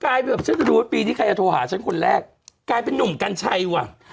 แบบฉันจะดูว่าปีนี้ใครจะโทรหาฉันคนแรกกลายเป็นนุ่มกัญชัยว่ะ